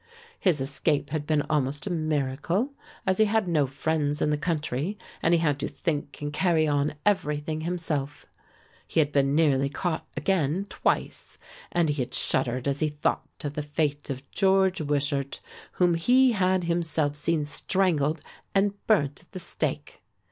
His escape had been almost a miracle, as he had no friends in the country and he had to think and carry on everything himself; he had been nearly caught again twice and he had shuddered as he thought of the fate of George Wishart whom he had himself seen strangled and burnt at the stake.